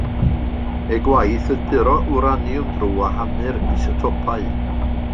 Eu gwaith oedd puro wraniwm drwy wahanu'r isotopau.